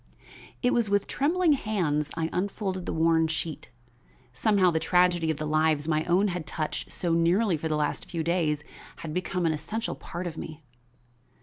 It was with trembling hands I unfolded the worn sheet. Somehow the tragedy of the lives my own had touched so nearly for the last few days had become an essential part of me.